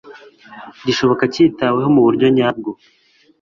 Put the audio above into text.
gishoboka kitaweho mu buryo nyabwo